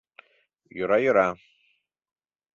— Йӧра, йӧра.